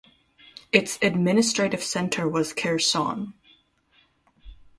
Its administrative centre was Kherson.